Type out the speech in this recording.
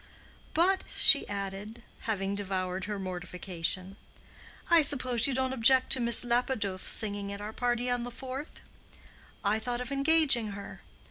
"But;" she added, having devoured her mortification, "I suppose you don't object to Miss Lapidoth's singing at our party on the fourth? I thought of engaging her.